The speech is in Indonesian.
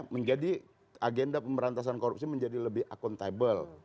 menjadi agenda pemerintahan korupsi menjadi lebih accountable